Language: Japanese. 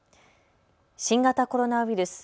新型コロナウイルス。